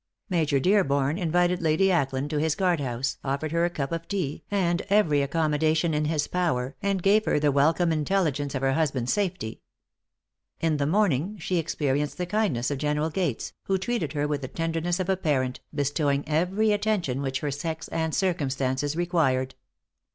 Major Dearborn invited Lady Ackland to his guard house, offered her a cup of tea, and every accommodation in his power, and gave her the welcome intelligence of her husband's safety. In the morning she experienced the kindness of General Gates, who treated her with the tenderness of a parent, bestowing every attention which her sex and circumstances required.